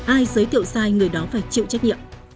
ai giới thiệu sai người đó phải chịu trách nhiệm